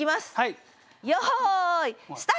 よいスタート！